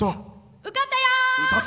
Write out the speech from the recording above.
受かったよ！